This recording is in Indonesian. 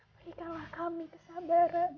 berikanlah kami kesabaran